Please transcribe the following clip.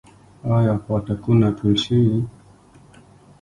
آیا پاټکونه ټول شوي؟